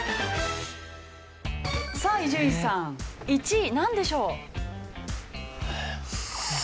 さあ伊集院さん１位なんでしょう？